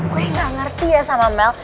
gue gak ngerti ya sama mel